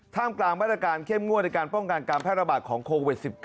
กลางมาตรการเข้มงวดในการป้องกันการแพร่ระบาดของโควิด๑๙